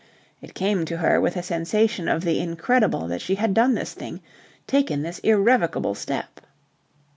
It came to her with a sensation of the incredible that she had done this thing, taken this irrevocable step.